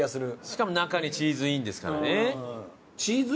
しかも中にチーズインですからね。